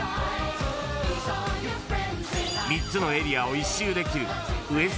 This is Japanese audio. ［３つのエリアを１周できる］